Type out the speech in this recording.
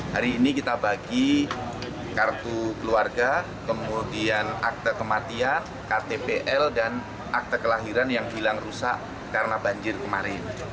hari ini kita bagi kartu keluarga kemudian akte kematian ktpl dan akte kelahiran yang bilang rusak karena banjir kemarin